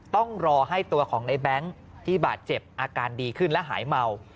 ต้องรอให้ตัวของในแบงค์ที่บาดเจ็บอาการดีขึ้นและหายเมา